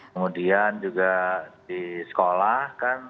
kemudian juga di sekolah kan